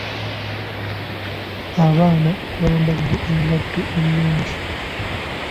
Abaana bambadde engatto ennungi.